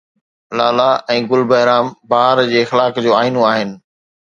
لالا ۽ گل بهرام بهار جي اخلاق جو آئينو آهن